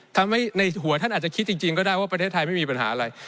ทำให้ในหัวท่านอาจจะคิดจริงก็ได้ว่าประเทศไทยไม่มีปัญหาอะไร